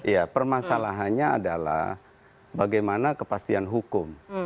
ya permasalahannya adalah bagaimana kepastian hukum